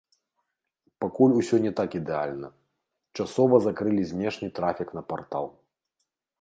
Пакуль усё не так ідэальна, часова закрылі знешні трафік на партал.